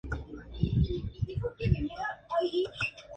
Pero la idea se acaba volviendo contra ellos.